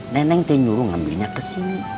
neneng teh nyuruh ngambilnya kesini